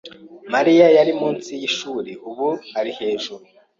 Mariya yari munsi yishuri. Ubu ari hejuru.